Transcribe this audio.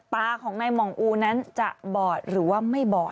ตาของนายหม่องอูนั้นจะบอดหรือว่าไม่บอด